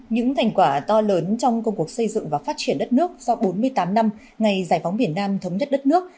những thành quả to lớn trong công cuộc xây dựng và phát triển đất nước sau bốn mươi tám năm ngày giải phóng biển nam thống nhất đất nước